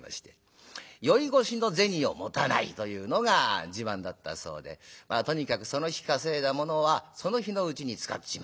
宵越しの銭を持たないというのが自慢だったそうでとにかくその日稼いだものはその日のうちに使っちまう。